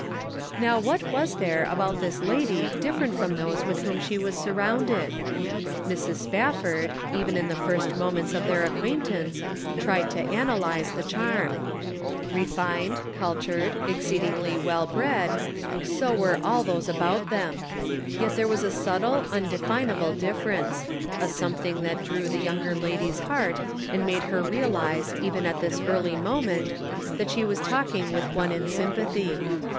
Now what was there about this lady different from those with whom she was surrounded? Mrs. Spafford, even in the first moments of their acquaintance, tried to analyze the charm. Re fined, cultured, exceedingly well bred — so were all those about them — yet there was a subtle, undefinable difference ; a something that drew the younger lady's heart, and made her realize even at this early moment that she was talking with one in sympathy.